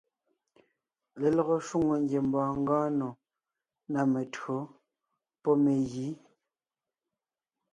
Lelɔgɔ shwòŋo ngiembɔɔn ngɔɔn nò ná mentÿǒ pɔ́ megǐ.